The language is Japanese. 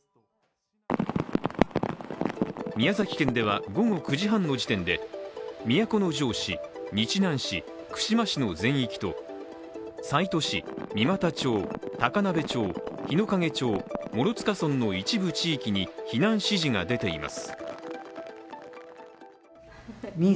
宮崎県では午後９時半の時点で都城市、日南市、串間市の全域と西都市、三股町、高鍋町、日之影町、諸塚村の一部地域に避難指示が出ています。